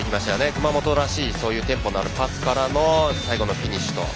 熊本らしいいいテンポのパスから最後のフィニッシュと。